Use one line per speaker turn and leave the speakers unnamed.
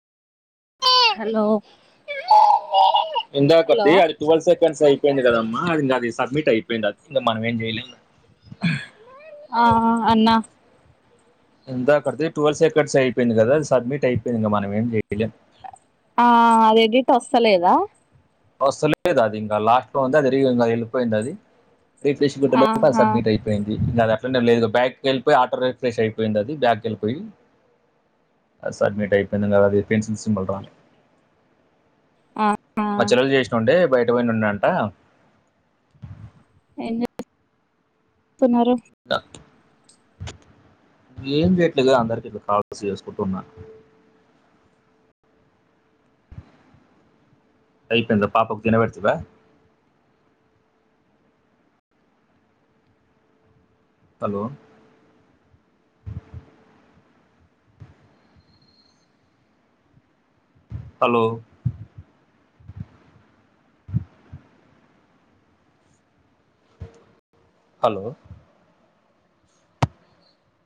hello
ఇందాకద్ది అది twelve seconds అయిపోయింది కదమ్మా అది ఇందాకది సబ్మిట్ అయిపోయింది అది ఇంకా మనం ఏం చెయలేం
ఆ అన్నా
ఇందాకడిది టువల్స్ సకెట్స్ అయిపోయింది కదా అది సబ్మిట్ అయిపోయింది ఇంకా మనమేం చేయలేం
ఆ అది ఎడిట్ వస్తలేదా
వస్తలేదు అది ఇంకా లాస్ట్ లోంది అది రీ ఇంకా వెళ్ళిపోయింది అది రిఫ్రెష్ కొట్టే లోగా అది
ఆహా
సబ్మిట్ అయిపోయ్ పోయింది ఇందాక అట్లానే లేదు బ్యాక్ కెళ్లిపోయి ఆటో రిఫ్రెష్ అయిపోయింది అది బ్యాక్ వెళ్ళిపోయి అది సడ్మిట్ అయిపోయింది అది పెన్సిల్ సింబల్ రాలే
ఆ
మచ్చలొల్లు చేసినండే బయట పోయి ఉండంట
ఏం చే తిన్నారు
ద ఏం చెయ్యట్లేదు అందరికి ఇట్లా కాల్స్ చేసుకుంటున్నా పైపింక పాపకు తినపెడితివా హలో హలో హలో